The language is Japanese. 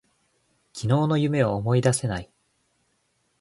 昨日の夢を思い出せない。